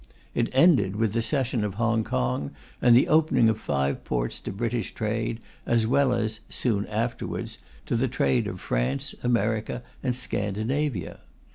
It ended with the cession of Hong Kong and the opening of five ports to British trade, as well as (soon afterwards) to the trade of France, America and Scandinavia.